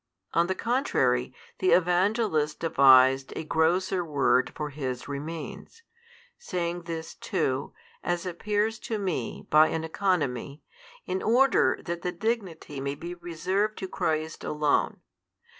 On the contrary, the Evangelist devised a grosser word for his remains, saying this too, as appears to me by an oeconomy, in order that the dignity may be reserved to Christ Alone.